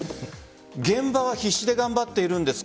現場は必死で頑張っているんです。